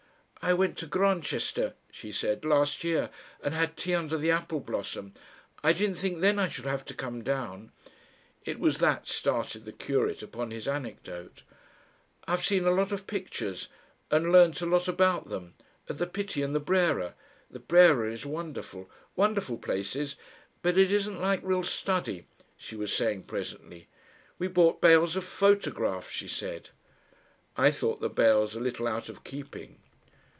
"I went to Grantchester," she said, "last year, and had tea under the apple blossom. I didn't think then I should have to come down." (It was that started the curate upon his anecdote.) "I've seen a lot of pictures, and learnt a lot about them at the Pitti and the Brera, the Brera is wonderful wonderful places, but it isn't like real study," she was saying presently.... "We bought bales of photographs," she said. I thought the bales a little out of keeping.